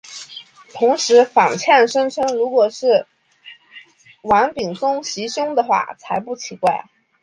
同时反呛声称如果是王炳忠袭胸的话才不奇怪。